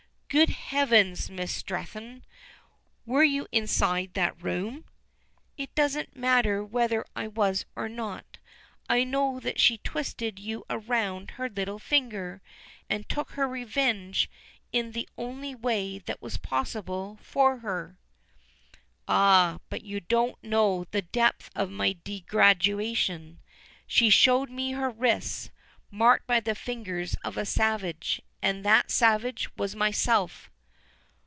"Good heavens, Miss Stretton! were you inside that room?" "It doesn't matter whether I was or not. I know that she twisted you around her little finger, and took her revenge in the only way that was possible for her." "Ah, but you don't know the depth of my degradation. She showed me her wrists, marked by the fingers of a savage, and that savage was myself."